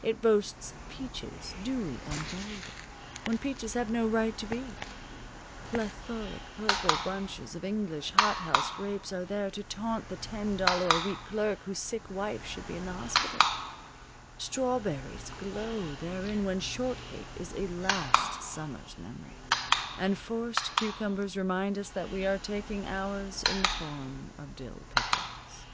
It boasts peaches, dewy and golden, when peaches have no right to be; plethoric, purple bunches of English hothouse grapes are there to taunt the ten dollar a week clerk whose sick wife should be in the hospital; strawberries glow therein when shortcake is a last summer's memory, and forced cucumbers remind us that we are taking ours in the form of dill pickles.